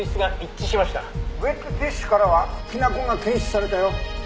ウェットティッシュからはきな粉が検出されたよ。